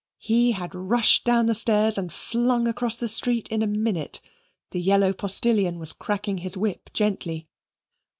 He had rushed down the stairs and flung across the street in a minute the yellow postilion was cracking his whip gently.